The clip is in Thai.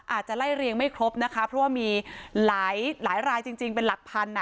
อาจจะไล่เรียงไม่ครบนะคะเพราะว่ามีหลายรายจริงเป็นหลักพันอ่ะ